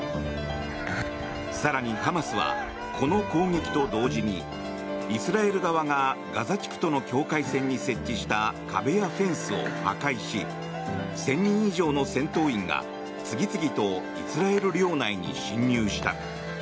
更に、ハマスはこの攻撃と同時にイスラエル側がガザ地区との境界線に設置した壁やフェンスを破壊し１０００人以上の戦闘員が次々とイスラエル領内に侵入した。